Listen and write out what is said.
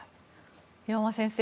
岩間先生